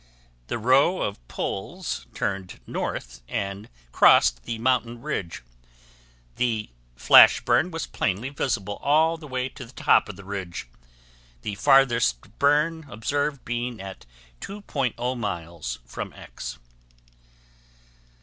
The row of poles turned north and crossed the mountain ridge; the flash burn was plainly visible all the way to the top of the ridge, the farthest burn observed being at 2.0 miles from X.